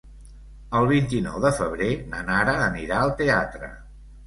El vint-i-nou de febrer na Nara anirà al teatre.